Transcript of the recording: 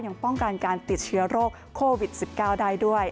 ยังป้องกันการติดเชื้อโรคโควิด๑๙ได้ด้วย